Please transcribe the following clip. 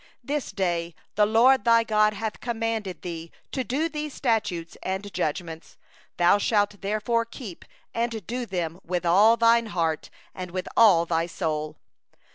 16This day the LORD thy God commandeth thee to do these statutes and ordinances; thou shalt therefore observe and do them with all thy heart, and with all thy soul.